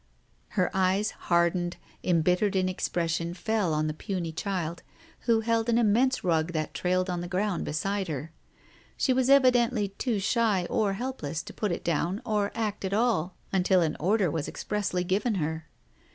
... Her eyes hardened, embittered in expression, fell on the puny child, who held an immense rug that trailed on the ground beside her. She was evidently too shy or helpless to put it down or act at all until an order was expressly given her.